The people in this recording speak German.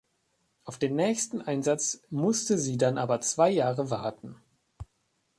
Auf den nächsten Einsatz musste sie dann aber zwei Jahre warten.